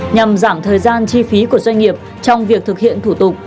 nhằm giảm thời gian chi phí của doanh nghiệp trong việc thực hiện thủ tục